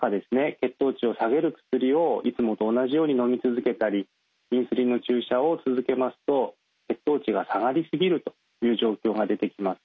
血糖値を下げる薬をいつもと同じようにのみ続けたりインスリンの注射を続けますと血糖値が下がり過ぎるという状況が出てきます。